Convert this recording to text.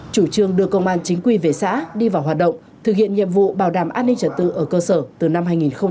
chủ trương đưa công an chính quy về xã đi vào hoạt động thực hiện nhiệm vụ bảo đảm an ninh trật tự ở cơ sở từ năm hai nghìn hai mươi ba